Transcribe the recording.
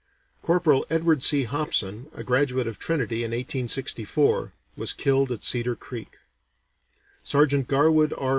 Corporal Edward C. Hopson, a graduate of Trinity in 1864, was killed at Cedar Creek. Sergeant Garwood R.